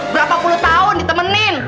berapa puluh tahun ditemenin